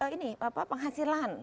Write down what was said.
ini apa penghasilan